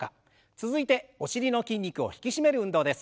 続いてお尻の筋肉を引き締める運動です。